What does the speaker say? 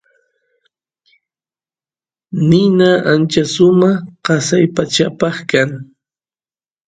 nina ancha sumaq qasa pachapa kan